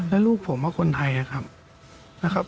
แล้วลูกผมคนไทยนะครับ